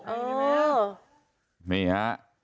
เห็นมั้ยฮะ